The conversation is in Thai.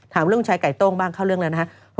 ถามเรื่องชายไก่โต้งบ้างเข้าเรื่องแล้วนะครับ